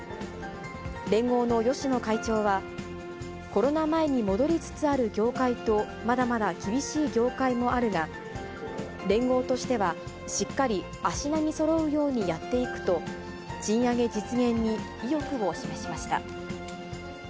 連合の芳野会長は、コロナ前に戻りつつある業界と、まだまだ厳しい業界もあるが、連合としては、しっかり足並みそろうようにやっていくと、賃上げ実現に意欲を示しました。